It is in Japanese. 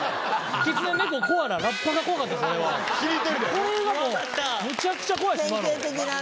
これはもうめちゃくちゃ怖いです今の。